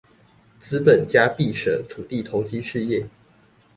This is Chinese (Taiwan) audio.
資本家必捨土地投機事業